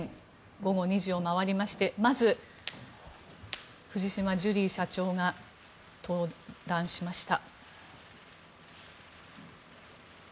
午後２時を回りましてまず藤島ジュリー社長が登壇しました。